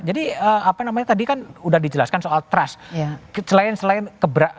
jadi apa namanya tadi kan udah dijelaskan soal trust